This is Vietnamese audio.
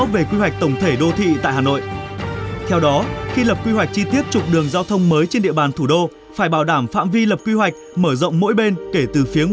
và đô thị hóa hiện nay tất yếu phải là mở đường